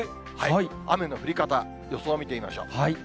雨の降り方、予想見てみましょう。